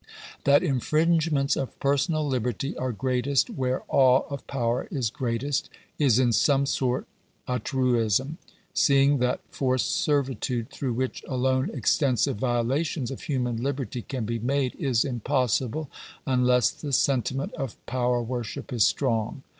That infringements of personal liberty are greatest where awe of power is greatest, is in some sort a truism, seeing that forced servitude, through which alone extensive violations of human liberty can be made, is impossible, unless the sentiment of power worship is strong.